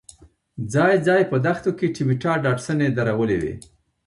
ځای ځای په دښتو کې ټویوټا ډاډسنې درولې وې.